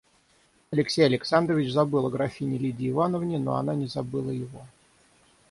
Алексей Александрович забыл о графине Лидии Ивановне, но она не забыла его.